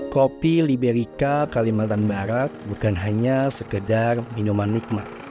kopi liberica kalimantan barat bukan hanya sekedar minuman nikmat